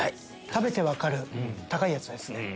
食べて分かる高いやつですね。